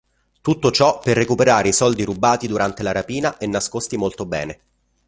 Tutto ciò per recuperare i soldi rubati durante la rapina e nascosti molto bene.